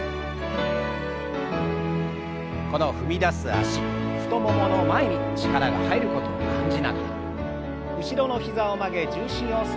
この踏み出す脚太ももの前に力が入ることを感じながら後ろの膝を曲げ重心を少し押し下げましょう。